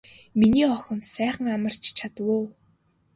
Миний охин сайхан амарч чадав уу.